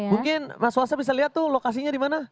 nah mungkin mas waza bisa lihat tuh lokasinya dimana